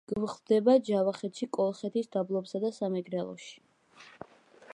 გვხვდება ჯავახეთში, კოლხეთის დაბლობსა და სამეგრელოში.